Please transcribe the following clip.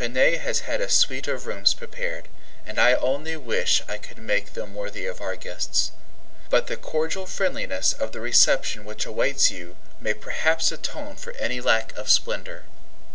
Renee has had a suite of rooms prepared, and I only wish I could make them worthy of our guests. But the cordial friendliness of the reception which awaits you may perhaps atone for any lack of splendor.